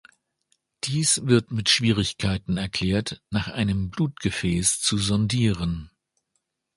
Dies wird mit Schwierigkeiten erklärt, nach einem Blutgefäß zu sondieren.